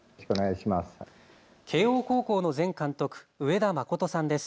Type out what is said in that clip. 慶応高校の前監督、上田誠さんです。